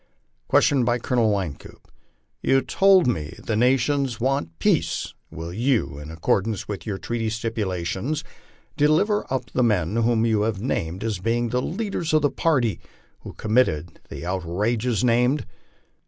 Question by Colonel Wynkoop :You told me your nation wants peace ; will you, in accordance with your treaty stipulations, deliver up the men whom you have named as being the leaders of the party who committed the outrages named?"